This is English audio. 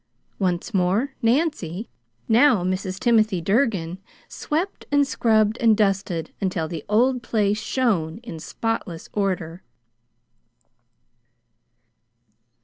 Once more Nancy now Mrs. Timothy Durgin swept and scrubbed and dusted until the old place shone in spotless order.